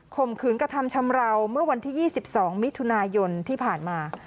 มขืนกระทำชำราวเมื่อวันที่๒๒มิถุนายนที่ผ่านมา